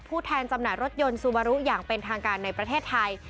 แทนจำหน่ายรถยนต์ซูบารุอย่างเป็นทางการในประเทศไทย